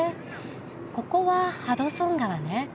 ここはハドソン川ね。